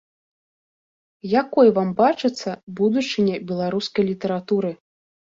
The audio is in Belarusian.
Якой вам бачыцца будучыня беларускай літаратуры?